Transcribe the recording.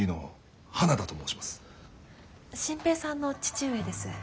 心平さんの父上です。